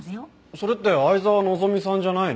それって沢希さんじゃないの？